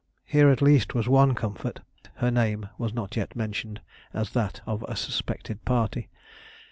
here at least was one comfort; her name was not yet mentioned as that of a suspected party.